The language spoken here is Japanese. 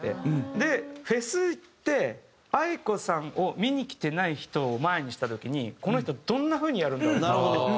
でフェスってａｉｋｏさんを見に来てない人を前にした時にこの人どんな風にやるんだろう？